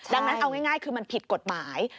ดังนั้นเอาง่ายคือมันผิดกฎหมาย